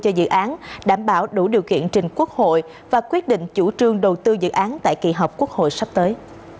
cho dự án đảm bảo đủ điều kiện trình quốc hội và quyết định chủ trương đầu tư dự án tại kỳ họp quốc hội sắp tới